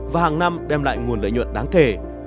và hàng năm đem lại nguồn lợi nhuận đáng kể